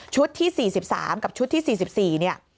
ชุดที่๔๓กับชุดที่๔๔นี่